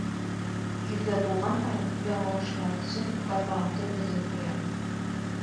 Йөҙгә тулған һайын, яңылышмаҫ өсөн, бармағымды бөгөп ҡуям.